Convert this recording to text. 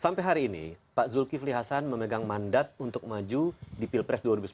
sampai hari ini pak zulkifli hasan memegang mandat untuk maju di pilpres dua ribu sembilan belas